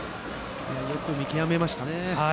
よく見極めましたね。